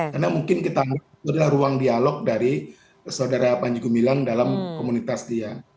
karena mungkin kita adalah ruang dialog dari saudara panji gumilang dalam komunitas dia